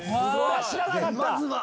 知らなかった。